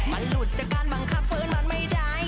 มันหลุดจากการบังคับฟื้นมันไม่ได้